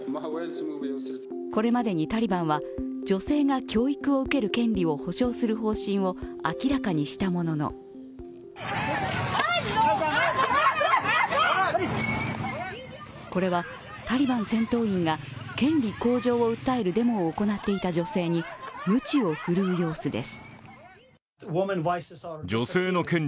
これまでにタリバンは女性が教育を受ける権利をこれは、タリバン戦闘員が権利向上を訴えるデモを行っていた女性にむちを振るう様子です。